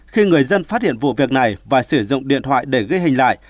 khi người dân phát hiện vụ việc này và sử dụng điện thoại để ghi hình lại